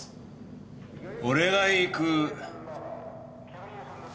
俺が行く。